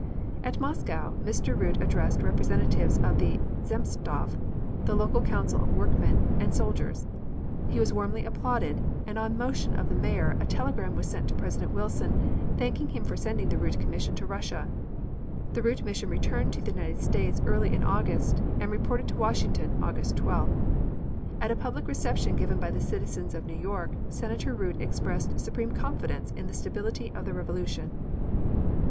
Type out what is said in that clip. At Moscow Mr. Root addressed representatives of the Zemstvo and the local Council of the Workmen and Soldiers. He was warmly applauded, and on motion of the Mayor a telegram was sent to President Wilson, thanking him for sending the Root Commission to Russia. The Root Mission returned to the United States early in August, and reported to Washington August 12th. At a public reception given by the citizens of New York, Senator Root expressed supreme confidence in the stability of the Revolution.